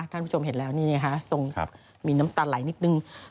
ท่านผู้ชมเห็นแล้วนี่นะคะทรงมีน้ำตาไหลนิดนึง